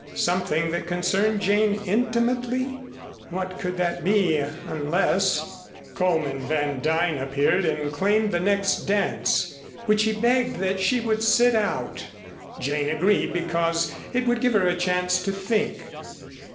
Something that concerned Jane intimately? What could that be unless Coleman Van Duyn appeared and claimed the next dance, which he begged that she would sit out. Jane agreed because it would give her a chance to think.